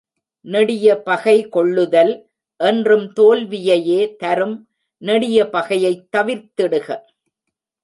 நெடிய பகை கொள்ளுதல், என்றும் தோல்வியையே தரும் நெடிய பகையைத் தவிர்த்திடுக.